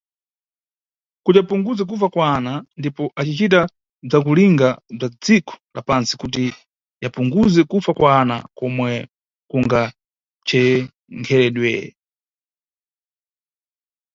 Kuti yapunguze kufa kwa wana ndipo acicita bzakulinga bza dziko la pantsi kuti yapunguze kufa kwana komwe kungachenkhedwe.